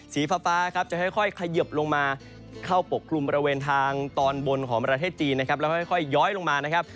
สีฟ้าครับจะค่อยเขยิบลงมาเข้าปกกลุ่มบริเวณทางตอนบนของประเทศจีนนะครับแล้วค่อยย้อยลงมานะครับ